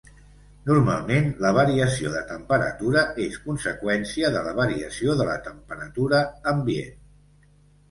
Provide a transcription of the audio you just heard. Normalment la variació de temperatura és conseqüència de la variació de la temperatura ambient.